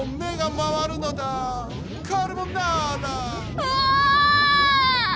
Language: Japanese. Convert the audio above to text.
うわ。